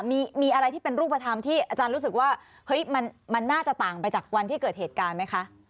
มีอะไรที่เป็นรูปธรรมที่อาจารย์รู้สึกว่าเฮ้ยมันน่าจะต่างไปจากวันที่เกิดเหตุการณ์ไหมคะ